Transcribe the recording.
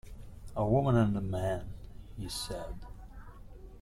"A woman and a man," he said.